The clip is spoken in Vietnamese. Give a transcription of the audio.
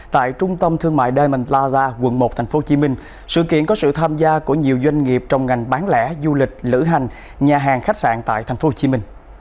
tại trung tâm thương mại diamond plaza quận một tp hcm sự kiện có sự tham gia của nhiều doanh nghiệp trong ngành bán lẻ du lịch lữ hành nhà hàng khách sạn tại tp hcm